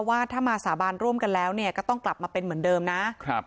ว่าถ้ามาสาบานร่วมกันแล้วเนี่ยก็ต้องกลับมาเป็นเหมือนเดิมนะครับ